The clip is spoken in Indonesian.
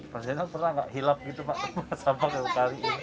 pak seles pernah nggak hilang gitu pak sampah kali